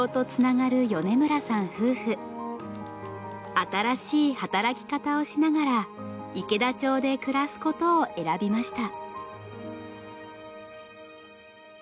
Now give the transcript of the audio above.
新しい働き方をしながら池田町で暮らすことを選びました。